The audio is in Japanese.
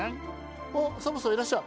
あサボさんいらっしゃい。